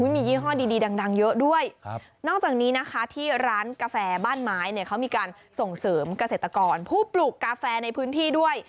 มียี่ห้อดีดังเยอะด้วยนอกจากนี้นะคะที่ร้านกาแฟบ้านไม้เนี่ยเขามีการส่งเสริมเกษตรกรผู้ปลูกกาแฟในพื้นที่ด้วย